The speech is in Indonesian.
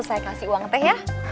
saya kasih uang teh ya